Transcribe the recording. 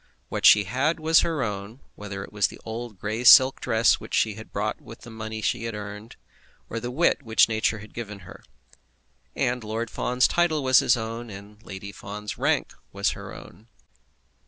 What she had was her own, whether it was the old grey silk dress which she had bought with the money she had earned, or the wit which nature had given her. And Lord Fawn's title was his own, and Lady Fawn's rank her own.